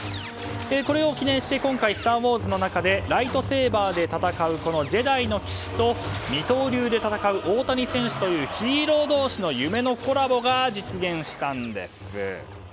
これを記念して今回「スター・ウォーズ」の中でライトセーバーで戦うジェダイの騎士と二刀流で戦う大谷選手というヒーロー同士の夢のコラボが実現したんです。